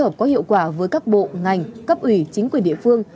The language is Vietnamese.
ngành cấp ủy chính quyền địa phương